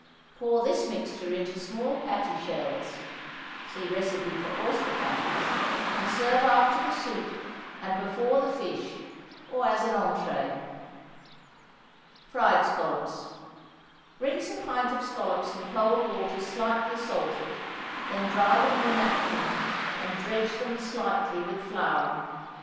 Pour this mixture in small patty shells (see recipe for oyster patties), and serve after the soup and before the fish, or as an entrée. =Fried Scallops.= Rinse a pint of scallops in cold water slightly salted, then dry them in a napkin, and dredge them slightly with flour.